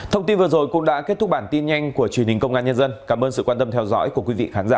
thông tin vừa rồi cũng đã kết thúc bản tin nhanh của truyền hình công an nhân dân cảm ơn sự quan tâm theo dõi của quý vị khán giả